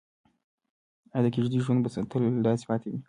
ایا د کيږديو ژوند به تل داسې پاتې وي؟